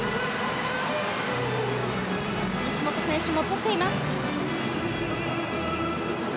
西本選手もとっています。